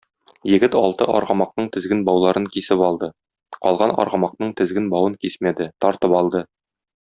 Егет алты аргамакның тезген бауларын кисеп алды, калган аргамакның тезген бавын кисмәде, тартып алды.